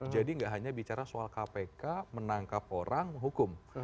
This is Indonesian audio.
jadi gak hanya bicara soal kpk menangkap orang hukum